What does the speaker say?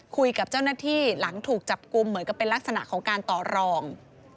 คุยกับเจ้าหน้าที่หลังถูกจับกลุ่มเหมือนกับเป็นลักษณะของการต่อรอง